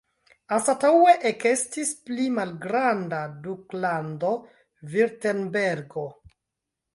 Anstataŭe ekestis pli malgranda duklando Virtembergo.